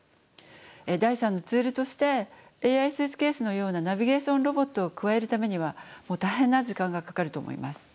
第３のツールとしてＡＩスーツケースのようなナビゲーションロボットを加えるためには大変な時間がかかると思います。